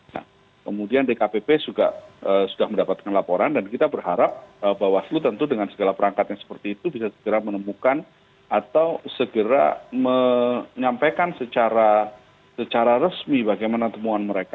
nah kemudian dkpp juga sudah mendapatkan laporan dan kita berharap bawaslu tentu dengan segala perangkatnya seperti itu bisa segera menemukan atau segera menyampaikan secara resmi bagaimana temuan mereka